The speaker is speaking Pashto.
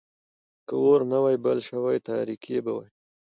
که اور نه وای بل شوی، تاريکي به وای.